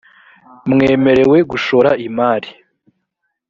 mwemerew gushora imari .